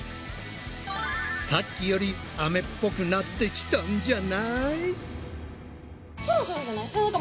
さっきよりアメっぽくなってきたんじゃない？